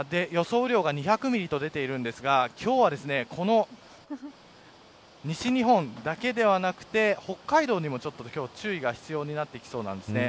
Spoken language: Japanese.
雨量が２００ミリと出ていますが、今日は西日本だけではなくて北海道にも注意が必要になってきそうです。